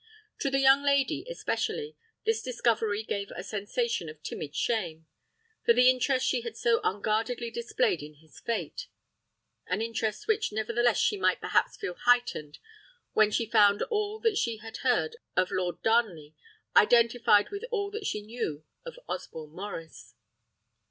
To the young lady, especially, this discovery gave a sensation of timid shame, for the interest she had so unguardedly displayed in his fate; an interest which nevertheless she might perhaps feel heightened when she found all that she had heard of Lord Darnley identified with all that she knew of Osborne Maurice.